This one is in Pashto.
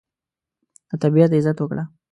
د طبیعت عزت وکړه.